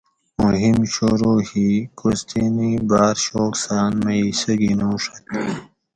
مہم شروع ہی کوستینی باۤر شوق سہۤ ان مئ حصہ گِنُوڛت